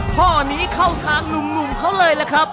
ข้อนี้เข้าทางหนุ่มเขาเลยล่ะครับ